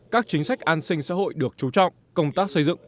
các chính sách an sinh xã hội được chú trọng công tác xây dựng